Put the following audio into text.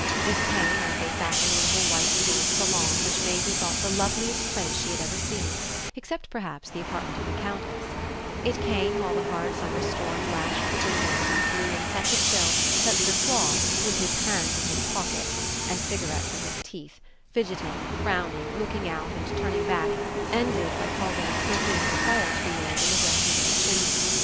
It came as they sat in the little white and gold salon which Maisie thought the loveliest place she had ever seen except perhaps the apartment of the Countess; it came while the hard summer storm lashed the windows and blew in such a chill that Sir Claude, with his hands in his pockets and cigarettes in his teeth, fidgeting, frowning, looking out and turning back, ended by causing a smoky little fire to be made in the dressy little chimney.